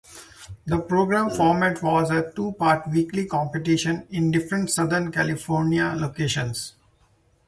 The programme format was a two-part weekly competition in different Southern California locations.